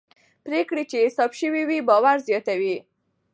پرېکړې چې حساب شوي وي باور زیاتوي